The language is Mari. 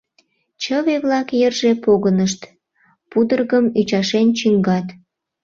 Чыве-влак йырже погынышт, пудыргым ӱчашен чӱҥгат.